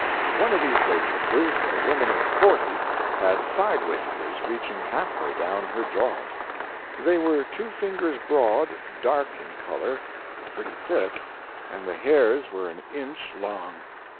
One of these waitresses, a woman of forty, had side whiskers reaching half way down her jaws. They were two fingers broad, dark in color, pretty thick, and the hairs were an inch long.